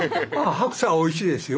白菜おいしいですよ。